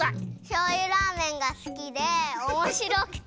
しょうゆラーメンがすきでおもしろくて。